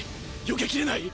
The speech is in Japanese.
避けきれない！